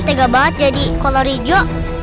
tega banget jadi kolor ijo